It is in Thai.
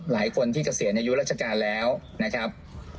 หลายคนที่เกษียณอายุราชการแล้วนะครับ